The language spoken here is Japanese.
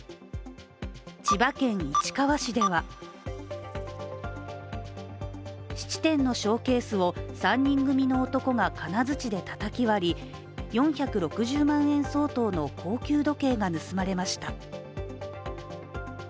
千葉県市川市では質店のショーケースを３人組の男が金づちでたたき割り４６０万円相当の高級時計が盗まれました。